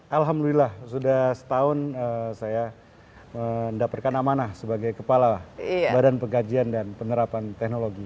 alhamdulillah sudah setahun saya mendapatkan amanah sebagai kepala badan pegajian dan penerapan teknologi